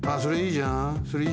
それいいじゃん。